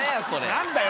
何だよ？